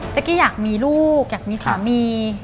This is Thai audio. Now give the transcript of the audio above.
กี้อยากมีลูกอยากมีสามี